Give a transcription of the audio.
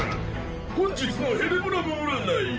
本日のヘルブラム占い。